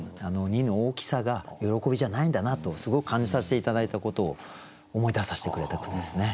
「荷」の大きさが喜びじゃないんだなとすごく感じさせて頂いたことを思い出させてくれた句ですね。